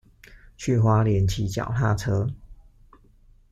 去花蓮騎腳踏車